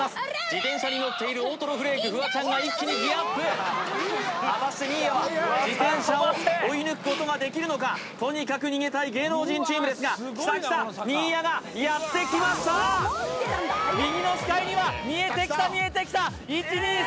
自転車に乗っている大とろフレークフワちゃんが一気にギアアップ果たして新谷は自転車を追い抜くことができるのかとにかく逃げたい芸能人チームですが来た来た新谷がやってきました右の視界には見えてきた見えてきた１２３４５６